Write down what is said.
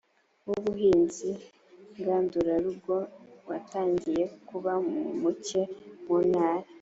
w ubuhinzi ngandurarugo watangiye kuba muke mu ntara